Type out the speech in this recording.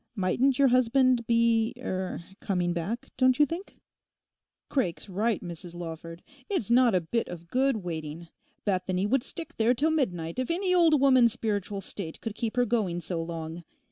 Mightn't your husband be—er—coming back, don't you think?' 'Craik's right, Mrs Lawford; it's not a bit of good waiting. Bethany would stick there till midnight if any old woman's spiritual state could keep her going so long.